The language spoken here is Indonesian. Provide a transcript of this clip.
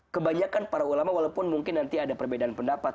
kebanyakan para ulama walaupun mungkin nanti ada perbedaan pendapat